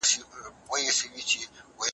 ټولنيز اثار تر شخصي اثارو زيات لوستل کېږي.